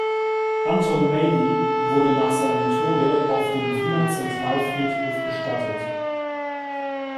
Anton Mailly wurde nach seinem Tode auf dem Wiener Zentralfriedhof bestattet.